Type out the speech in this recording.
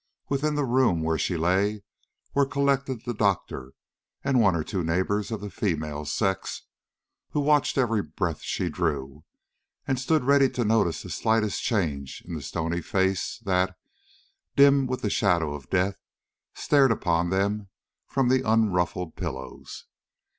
Within the room where she lay were collected the doctor and one or two neighbors of the female sex, who watched every breath she drew, and stood ready to notice the slightest change in the stony face that, dim with the shadow of death, stared upon them from the unruffled pillows.